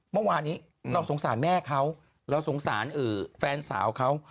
เมื่อวานี้เราสงสารแม่เขาเราสงสารแฟนสาวเขา